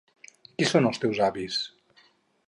Qui són els seus avis?